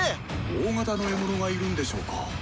大型の獲物がいるんでしょうか？